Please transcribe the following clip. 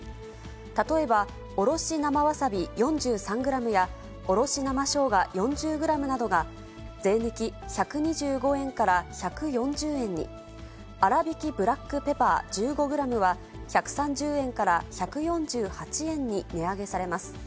例えば、おろし生わさび４３ｇや、おろし生しょうが４０ｇなどが、税抜き１２５円から１４０円に。あらびきブラックペパー１５ｇは、１３０円から１４８円に値上げされます。